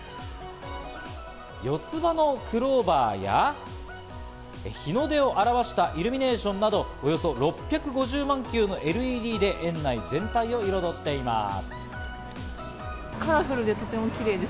四つ葉のクローバーや、日の出を表したイルミネーションなど、およそ６５０万球のＬＥＤで園内全体を彩っています。